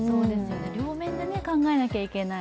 両面で考えなきゃいけない。